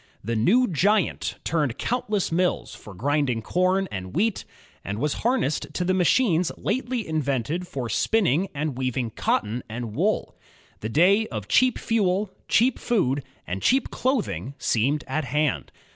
The "new giant" turned countless mills for grinding com and wheat, and was harnessed to the machines lately invented for spiiming and weav ing cotton and wool. The day of cheap fuel, cheap food, and cheap clothing seemed at hand.